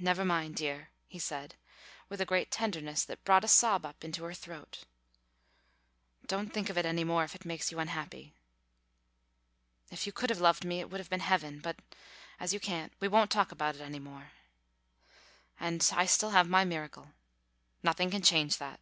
"Never mind, dear," he said with a great tenderness that brought a sob up into her throat. "Don't think of it any more if it makes you unhappy. If you could have loved me it would have been heaven, but as you can't we won't talk about it any more. And I still have my miracle. Nothing can change that."